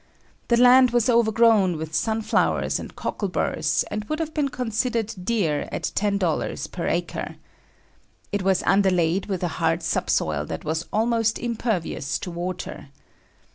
The land was overgrown with sunflowers and cockleburs and would have been considered dear at $10 per acre. It was underlaid with a hard subsoil that was almost impervious to water.